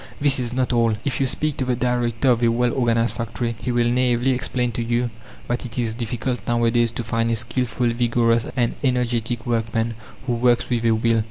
This is not all. If you speak to the director of a well organized factory, he will naively explain to you that it is difficult nowadays to find a skilful, vigorous, and energetic workman, who works with a will.